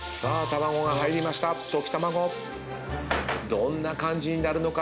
どんな感じになるのか？